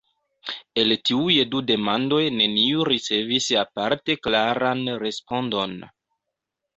El tiuj du demandoj neniu ricevis aparte klaran respondon.